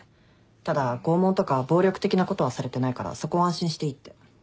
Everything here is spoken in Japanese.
ただ拷問とか暴力的なことはされてないからそこは安心していいって。